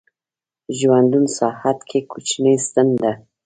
ژوندون ساعت کې کوچنۍ ستن ده